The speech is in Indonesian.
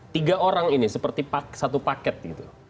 tiga orang ini seperti satu paket gitu